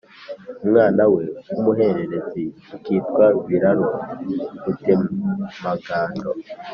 Umwana we w’ umuhererezi akitwa Biraro Mutemangando